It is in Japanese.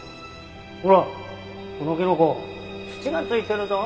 ほらこのキノコ土が付いてるぞ。